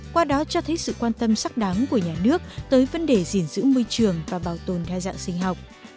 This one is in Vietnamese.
qua đó cho thấy sự quan tâm sắc đáng của nhà nước tới vấn đề gìn giữ môi trường và bảo tồn đa dạng sinh học